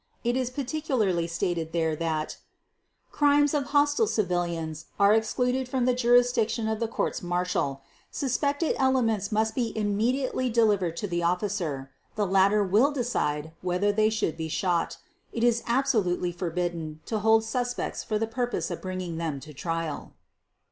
It is particularly stated there that: "Crimes of hostile civilians are excluded from the jurisdiction of the courts martial, ... Suspected elements must be immediately delivered to the officer. The latter will decide whether they should be shot ... it is absolutely forbidden to hold suspects for the purpose of bringing them to trial."